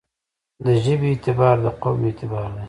دژبې اعتبار دقوم اعتبار دی.